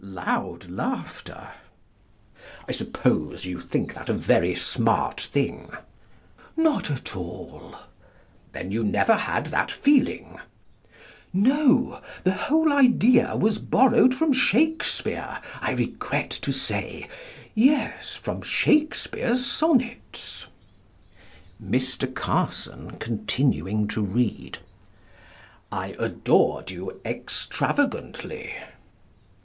(Loud laughter.) I suppose you think that a very smart thing? Not at all. Then you never had that feeling? No; the whole idea was borrowed from Shakespeare, I regret to say; yes, from Shakespeare's sonnets. Mr. Carson, continuing to read: "I adored you extravagantly?"